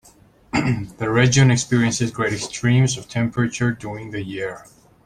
The region experiences great extremes of temperature during the year.